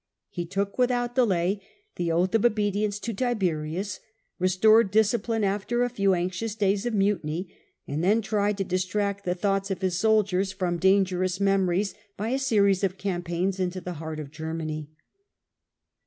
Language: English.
He took without delay the oath of obedience to Tiberius, restored discipline after a few anxious days of mutiny, and then tried to distract the thoughts of his soldiers from dangerous memories by a series of cam paigns into the heart of Germany.